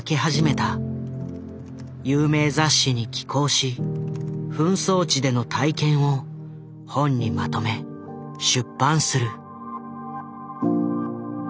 有名雑誌に寄稿し紛争地での体験を本にまとめ出版する。